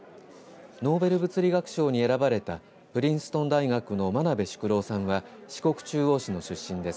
ノーベル物理学賞に選ばれたプリンストン大学の真鍋淑郎さんは四国中央市の出身です。